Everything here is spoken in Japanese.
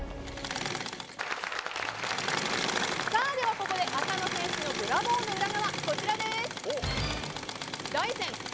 ここで浅野選手のブラボーの裏側こちらです。